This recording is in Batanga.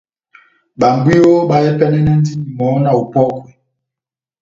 Babwiyo bahɛpɛnɛnɛndini mɔhɔ́ na opɔ́kwa